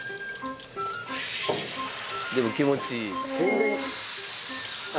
でも気持ちいい？